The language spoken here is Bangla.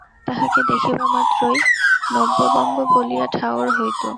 তাঁহাকে দেখিবামাত্রই নব্যবঙ্গ বলিয়া ঠাহর হইত।